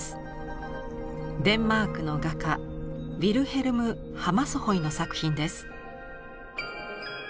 デンマークの画家ヴィルヘルム・ハマスホイの作品です。